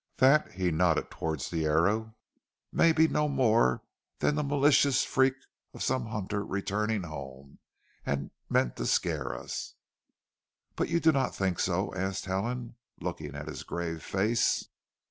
That," he nodded towards the arrow "may be no more than the malicious freak of some hunter returning home, and meant to scare us." "But you do not think so?" asked Helen, looking at his grave face.